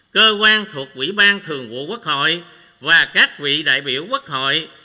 cơ quan thuộc quỹ ban thường vụ quốc hội và các vị đại biểu quốc hội